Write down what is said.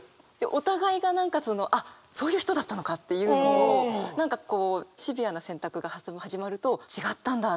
お互いが何かそのあっそういう人だったのかっていうのを何かこうシビアな選択が始まると違ったんだっていうのが分かって。